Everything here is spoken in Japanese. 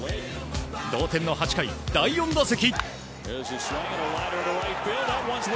同点の８回、第４打席。